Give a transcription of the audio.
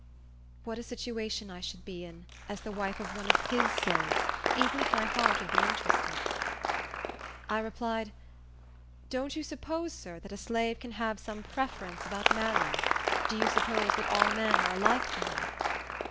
What a situation I should be in, as the wife of one of his slaves, even if my heart had been interested! I replied, "Don't you suppose, sir, that a slave can have some preference about marrying? Do you suppose that all men are alike to her?"